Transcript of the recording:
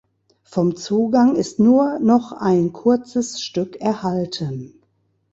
Vom Zugang ist nur noch ein kurzes Stück erhalten.